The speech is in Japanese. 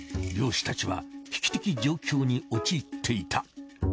漁師たちは危機的状況に陥っていた。